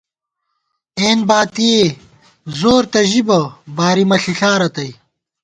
اېن باتِی ئے زور تہ ژِبہ بارِمہ ݪِݪا رتئ